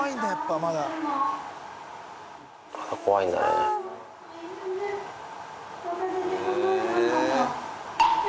まだ怖いんだね。